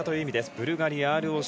ブルガリア、ＲＯＣ